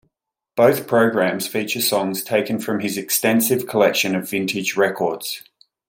Both programs feature songs taken from his extensive collection of vintage records.